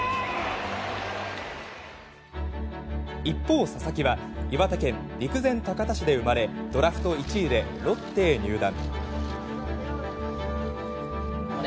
一方、佐々木は岩手県陸前高田市で生まれドラフト１位でロッテへ入団。